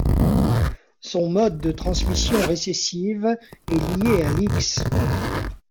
Son mode de transmission récessive est liée à l’X.